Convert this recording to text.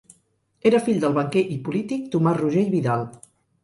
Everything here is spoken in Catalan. Era fill del banquer i polític Tomàs Roger i Vidal.